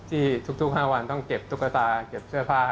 ที่ทุก๕วันต้องเก็บตุ๊กตาเก็บเสื้อผ้า